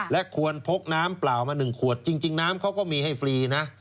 และควรพกน้ำเปล่ามา๑ขวดจริงน้ำเขาก็มีให้ฟรีนะ